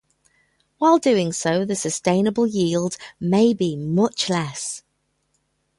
While doing so, the sustainable yield may be much less.